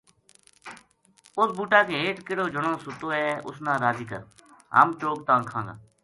اس بوٹا کے ہیٹھ کِہڑو جنو ستو ہے اس نا راضی کر ! ہم چوگ تاں کھاں گا‘ ‘